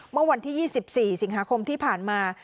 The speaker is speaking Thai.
เมื่อวันที่๒๔สิงหาคมที่ผ่านมา